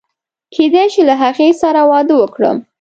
کېدای شي له هغې سره واده وکړم.